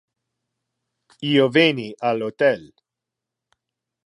Io veni al hotel.